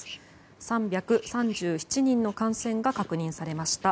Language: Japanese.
３３７人の感染が確認されました。